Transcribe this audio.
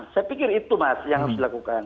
saya pikir itu mas yang harus dilakukan